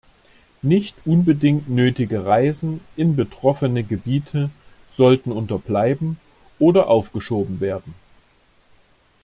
Nicht unbedingt nötige Reisen in betroffene Gebiete sollten unterbleiben oder aufgeschoben werden.